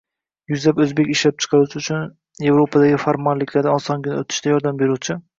Yuzlab o‘zbek ishlab chiqaruvchilari uchun Yevropadagi formalliklardan osongina o‘tishda yordam beruvchi